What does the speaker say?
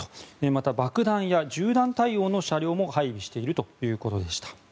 また、爆弾や銃弾対応の車両も配備しているということでした。